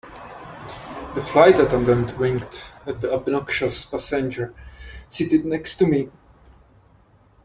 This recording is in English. The flight attendant winked at the obnoxious passenger seated next to me.